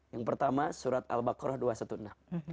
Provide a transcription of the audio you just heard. yang pertama surat al bakroh dua ratus enam belas